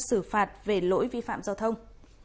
xử phạt về lỗi vi phạm giao thông